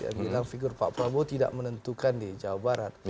yang bilang figur pak prabowo tidak menentukan di jawa barat